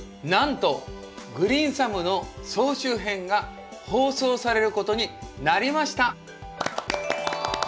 なんと「グリーンサム」の総集編が放送されることになりました！